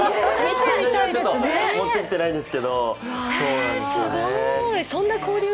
ちょっと持ってきてないんですけど。